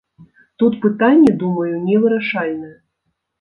Тут пытанне, думаю, невырашальнае.